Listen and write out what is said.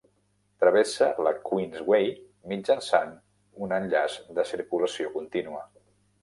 Travessa la Queensway mitjançant un enllaç de circulació continua.